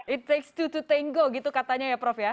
it takes two to tango gitu katanya ya prof ya